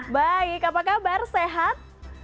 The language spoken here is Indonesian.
baik apa kabar sehat